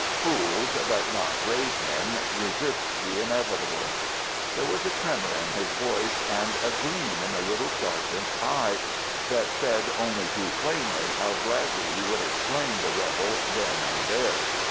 Fools, but not grave men, resist the inevitable." There was a tremor in his voice, and a gleam in the little sergeant's eye that said only too plainly how gladly he would have slain the rebel then and there.